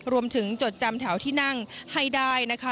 จดจำแถวที่นั่งให้ได้นะคะ